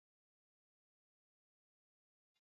warushaji wengine wa mtangazo hawahangaiki kutenngeneza